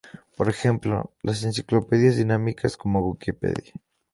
Por ejemplo, las enciclopedias dinámicas como Wikipedia.